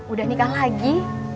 udah nikah lagi